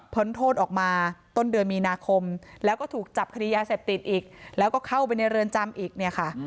โทษออกมาต้นเดือนมีนาคมแล้วก็ถูกจับคดียาเสพติดอีกแล้วก็เข้าไปในเรือนจำอีกเนี่ยค่ะ